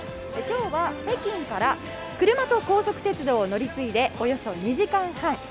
今日は北京から車と高速鉄道を乗り継いでおよそ２時間半。